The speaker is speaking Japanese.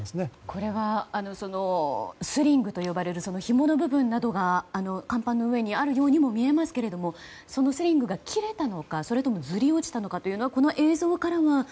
これはスリングと呼ばれるひもの部分などが甲板の上にあるようにも見えますが、そのスリングが切れたのかそれともずり落ちたのかはこの映像からは。